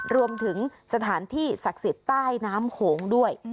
รวมถึงสถานที่ศักดิ์สิทธิ์ใต้น้ำโขงด้วย